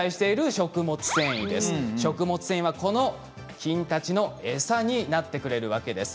食物繊維は、この菌たちの餌になってくれるわけです。